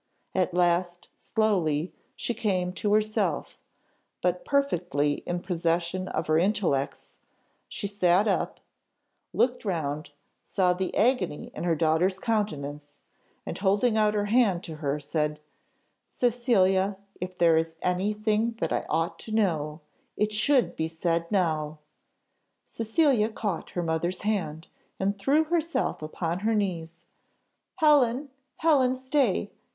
At last slowly she came to herself, but perfectly in possession of her intellects, she sat up, looked round, saw the agony in her daughter's countenance, and holding out her hand to her, said, "Cecilia, if there is anything that I ought to know, it should be said now." Cecilia caught her mother's hand, and threw herself upon her knees. "Helen, Helen, stay!"